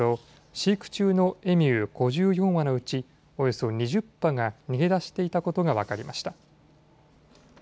飼育中のエミュー５４羽のうちおよそ２０羽が逃げ出していたことが分かりました。